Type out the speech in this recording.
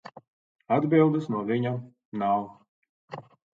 Atbildes no viņa nav.